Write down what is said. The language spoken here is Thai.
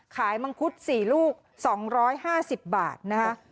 ขายมังคุด๔ลูก๒๕๐บาทนะครับ